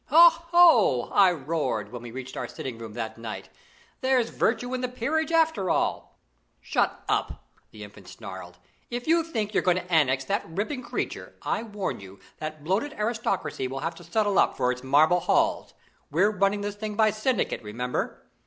"Ho! ho!" I roared, when we reached our sitting room that night. "There's virtue in the peerage after all." "Shut up!" the Infant snarled. "If you think you're going to annex that ripping creature, I warn you that bloated aristocracy will have to settle up for its marble halls. We're running this thing by syndicate, remember."